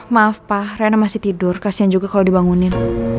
maaf pak rena masih tidur kasian juga kalau dibangunin